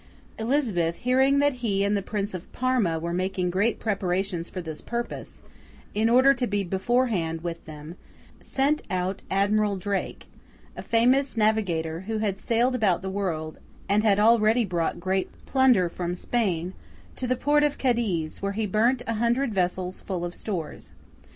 Elizabeth, hearing that he and the Prince of Parma were making great preparations for this purpose, in order to be beforehand with them sent out Admiral Drake (a famous navigator, who had sailed about the world, and had already brought great plunder from Spain) to the port of Cadiz, where he burnt a hundred vessels full of stores.